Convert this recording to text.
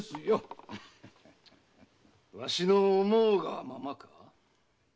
わしの思うがままか。